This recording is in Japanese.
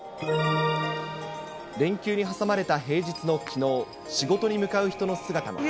連休に挟まれた平日のきのう、仕事に向かう人の姿も。